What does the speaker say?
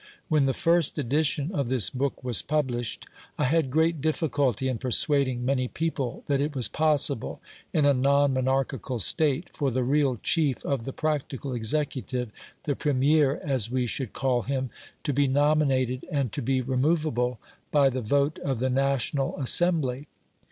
When the first edition of this book was published I had great difficulty in persuading many people that it was possible in a non monarchical State, for the real chief of the practical executive the Premier as we should call him to be nominated and to be removable by the vote of the National Assembly.